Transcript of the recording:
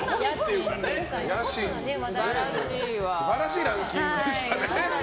素晴らしいランキングでした。